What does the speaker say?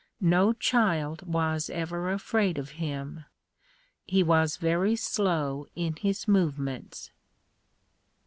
No child was ever afraid of him. He was very slow in his movements.